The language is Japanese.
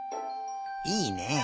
いいね。